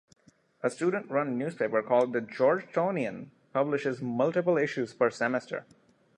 A student-run newspaper, called "The Georgetonian", publishes multiple issues per semester.